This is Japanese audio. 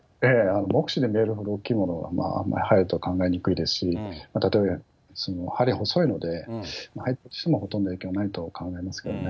目視で見えるほど大きいものが入るとは考えにくいですし、たとえ、針細いので、入ったとしてもほとんど影響ないと考えますけどね。